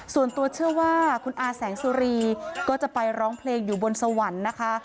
ส่วนตัวเชื่อว่าคุณอาแสงสุรีก็จะไปร้องเพลงอยู่บนสวรรค์นะคะ